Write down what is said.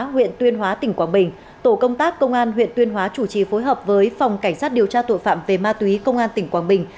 huyện tuyên hóa tỉnh quảng bình tổ công tác công an huyện tuyên hóa chủ trì phối hợp với phòng cảnh sát điều tra tội phạm về ma túy công an tỉnh quảng bình